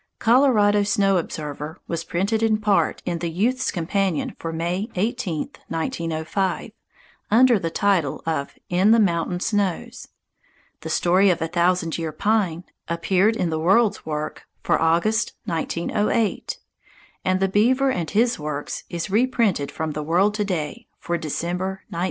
"Colorado Snow Observer" was printed in part in The Youth's Companion for May 18, 1905, under the title of "In the Mountain Snows"; "The Story of a Thousand Year Pine" appeared in The World's Work for August, 1908; and "The Beaver and his Works" is reprinted from The World To Day for December, 1908.